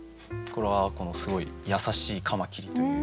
これはすごい優しいカマキリという。